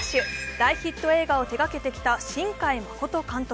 大ヒット映画を手がけてきた新海誠監督。